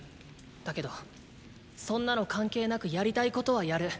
だけどそんなの関係なくやりたいことはやる。